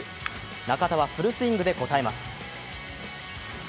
中田はフルスイングで応えます。